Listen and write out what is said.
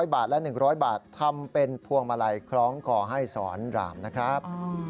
บาทและ๑๐๐บาททำเป็นพวงมาลัยคล้องคอให้สอนรามนะครับ